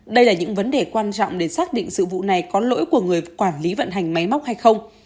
đây là những vấn đề quan trọng để xác định sự vụ này có lỗi của người quản lý vận hành máy móc hay không